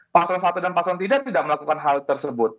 pak sloan i dan pak sloan iii tidak melakukan hal tersebut